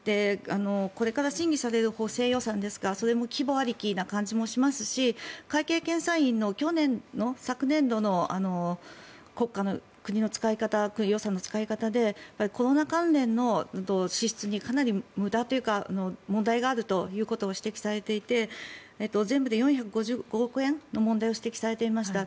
これから審議される補正予算ですがそれも規模ありきな感じもしますし会計検査院の昨年度の国家の国の予算の使い方でコロナ関連の支出にかなり無駄というか問題があると指摘されていて全部で４５５億円の問題を指摘されていました。